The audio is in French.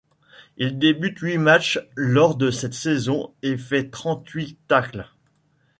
Il débute huit matchs lors de cette saison et fait trente-huit tacles.